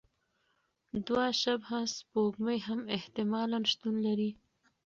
دوه شبح سپوږمۍ هم احتمالاً شتون لري.